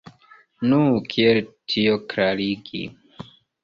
Nu, kiel tion klarigi?